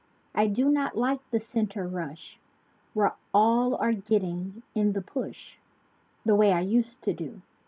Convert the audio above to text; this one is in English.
I do not like the center rush. Where all are getting "in the push," The way I used to do.